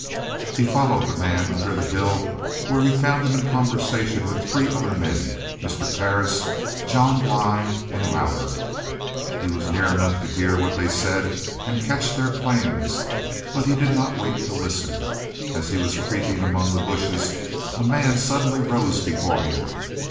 He followed the man under the hill, where he found him in conversation with three other men, Mr. Parris, John Bly and Louder. He was near enough to hear what they said and catch their plans; but he did not wait to listen. As he was creeping among the bushes, a man suddenly rose before him.